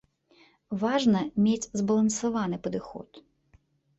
Важна мець збалансаваны падыход.